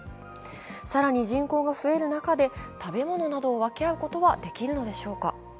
更に人口が増える中で食べ物などを分け合うことはできるのでしょうか。